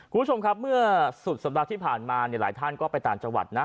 คุณผู้ชมครับเมื่อสุดสัปดาห์ที่ผ่านมาเนี่ยหลายท่านก็ไปต่างจังหวัดนะ